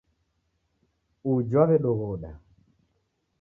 Uji w'aw'edoghoda